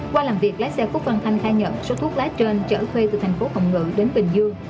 qua làm việc lái xe quốc văn thanh khai nhận số thuốc lá trên chở thuê từ thành phố hồng ngự đến bình dương